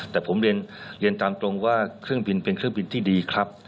แต่ผมเรียนตามตรงว่าเครื่องบินเป็นเครื่องบินที่ดีครับ